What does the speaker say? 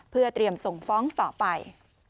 เพื่อเตรียมส่งฟ้องต่อไป